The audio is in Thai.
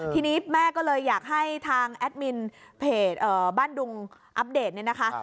ทีนี้แม่ก็เลยอยากให้ทางแอดมินเพจบ้านดุงอัปเดตเนี่ยนะคะ